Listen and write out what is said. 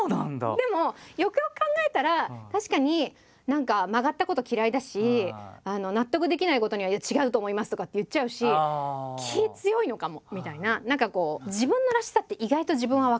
でもよくよく考えたら確かに何か曲がったこと嫌いだし納得できないことには「いや違うと思います」とかって言っちゃうし気強いのかもみたいな。